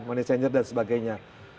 money changer dan sebagainya